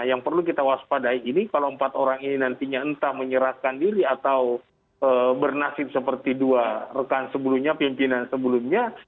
yang perlu kita waspadai ini kalau empat orang ini nantinya entah menyerahkan diri atau bernasib seperti dua rekan sebelumnya pimpinan sebelumnya